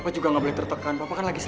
jangan buru buru neng